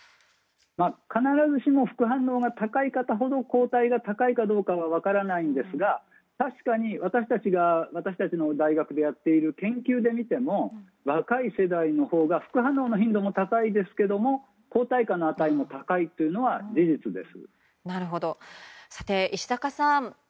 必ずしも副反応が高い方ほど抗体が高いかは分かりませんが確かに私たちの大学でやっている研究で見ても若い世代のほうが副反応の頻度も高いですけども抗体の価も高いのは事実です。